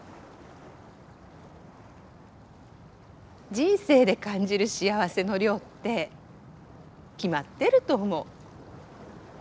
人生で感じる幸せの量って決まってると思う。